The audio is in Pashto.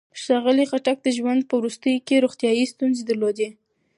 ښاغلي خټک د ژوند په وروستیو کې روغتيايي ستونزې درلودې.